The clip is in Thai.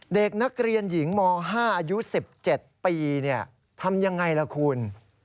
เด็กนักเรียนหญิงม๕อายุ๑๗ปีทำยังไงล่ะคุณ